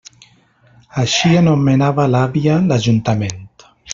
Així anomenava l'àvia l'ajuntament.